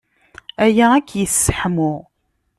Aya ad k-yesseḥmu.